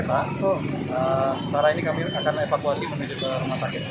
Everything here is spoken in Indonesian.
dan melakukan penyusiran di lokasi kejadian serta mengetahui penyebab kecelakaan yang menewaskan anggotanya itu